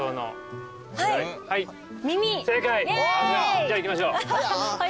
じゃあ行きましょう。